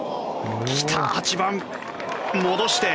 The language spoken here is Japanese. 来た、８番、戻して！